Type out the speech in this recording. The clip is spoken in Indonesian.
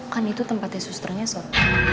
kan itu tempatnya susternya sop